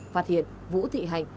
phát hiện vũ thị hạnh